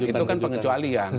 itu kan pengecualian